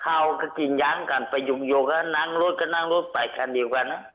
เขาก็กินยั้งกันไปยุงก็นั่งรถก็นั่งรถไปคันเดียวกัน